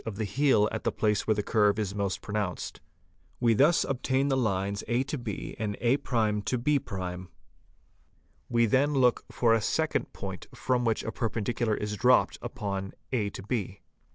of the heel at the place where the curve is most pronounced. We thus obtain the lines a b and a' b'. We then look for a second fixed point from which a perpendicular is dropped upon a b.